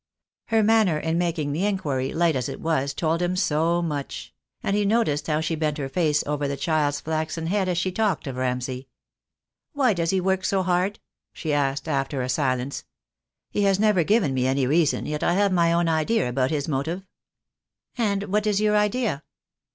Her manner in making the inquiry, light as it was, told him so much; and he noticed how she bent her face over the child's flaxen head as she talked of Ramsay. "Why does he work so hard?" she asked, after a silence. "He has never given me any reason, yet I have my own idea about his motive." ' "And what is your idea?"